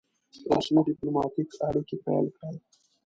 رسمي ډيپلوماټیک اړیکي پیل کړل.